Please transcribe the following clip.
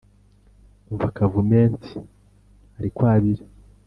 Umva Kavumenti ari kwabira